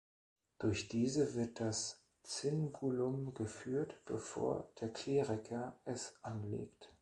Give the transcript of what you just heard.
Durch diese wird das Zingulum geführt, bevor der Kleriker es anlegt.